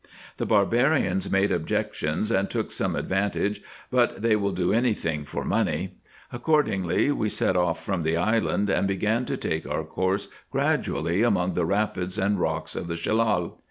The barbarians made objections and took some advantage, but they will do any thing for money. Ac cordingly we set off from the island, and began to take our course gradually among the rapids and rocks of the Shellal.